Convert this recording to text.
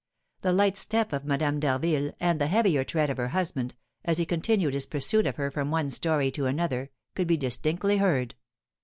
The light step of Madame d'Harville, and the heavier tread of her husband, as he continued his pursuit of her from one story to another, could be distinctly heard.